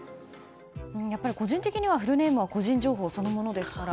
やっぱり個人的にはフルネームは個人情報そのものですから。